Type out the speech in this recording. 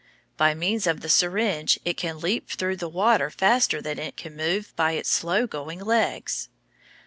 By means of the syringe it can leap through the water faster than it can move by its slow going legs.